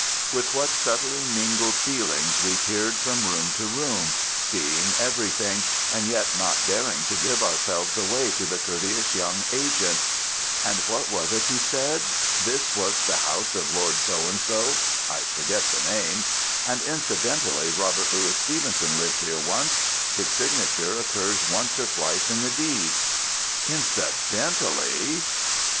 With what subtly mingled feelings we peered from room to room, seeing everything, and yet not daring to give ourselves away to the courteous young agent. And what was it he said?—"This was the house of Lord So and so" (I forget the name)—"and incidentally, Robert Louis Stevenson lived here once. His signature occurs once or twice in the deeds." Incidentally!...